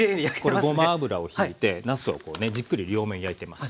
これごま油をひいてなすをこうねじっくり両面焼いてます。